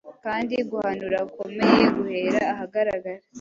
Kandi guhanura gukomeye, guhera ahagaragara